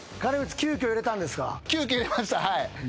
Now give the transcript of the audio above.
急きょ入れました。